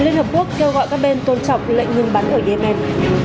liên hợp quốc kêu gọi các bên tôn trọng lệnh ngừng bắn ở yemen